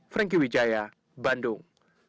franky wijaya bandung